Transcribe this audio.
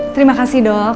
terima kasih dok